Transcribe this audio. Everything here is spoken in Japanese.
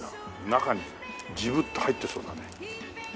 中にジュブっと入ってそうだね。